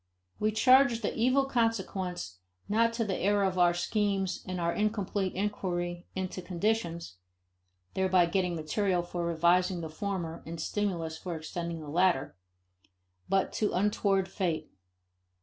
We charge the evil consequence not to the error of our schemes and our incomplete inquiry into conditions (thereby getting material for revising the former and stimulus for extending the latter) but to untoward fate.